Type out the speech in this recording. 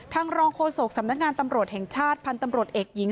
รองโฆษกสำนักงานตำรวจแห่งชาติพันธุ์ตำรวจเอกหญิง